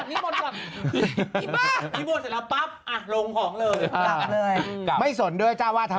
เอาหวายของเลยเอาหวายของ